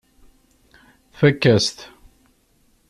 Tfakk-as-t.